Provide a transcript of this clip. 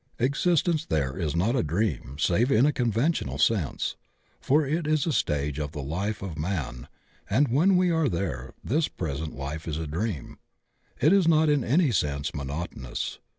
Existence there is not a dream save in a conventional sense, for it is a stage of the life of man, and when we are there this present life is a dream. It is not in any sense monotonous.